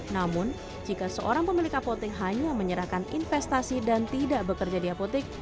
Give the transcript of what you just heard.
namun jika seorang pemilik apotek hanya menyerahkan investasi dan tidak bekerja di apotek